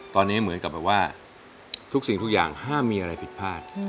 ตอนนี้เหมือนกับแบบว่าทุกสิ่งทุกอย่างห้ามมีอะไรผิดพลาด